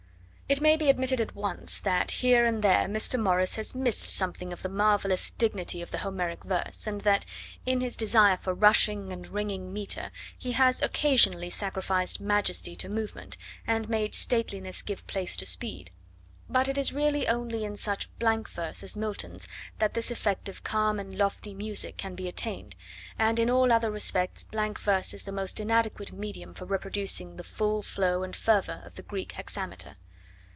It may be admitted at once that, here and there, Mr. Morris has missed something of the marvellous dignity of the Homeric verse, and that, in his desire for rushing and ringing metre, he has occasionally sacrificed majesty to movement, and made stateliness give place to speed; but it is really only in such blank verse as Milton's that this effect of calm and lofty music can be attained, and in all other respects blank verse is the most inadequate medium for reproducing the full flow and fervour of the Greek hexameter.